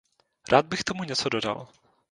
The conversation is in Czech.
Rád bych k tomu něco dodal.